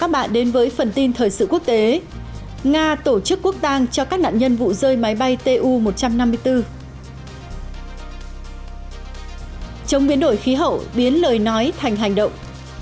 biến lời nói thành hành động